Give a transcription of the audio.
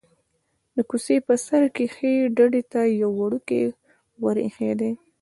د کوڅې په بر سر کې ښيي ډډې ته یو وړوکی ور ایښی دی.